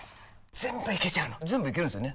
全部いけちゃうの全部いけるんですよね？